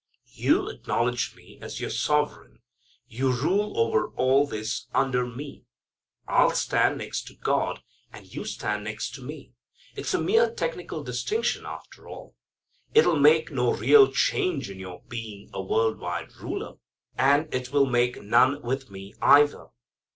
You acknowledge me as your sovereign. You rule over all this under me. I'll stand next to God, and you stand next to me. It's a mere technical distinction, after all. It'll make no real change in your being a world wide ruler, and it will make none with me either.